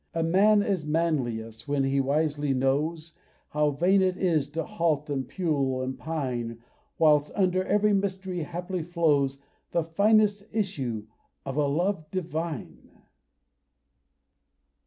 A man is manliest when he wisely knows How vain it is to halt and pule and pine; Whilst under every mystery haply flows The finest issue of a love divine.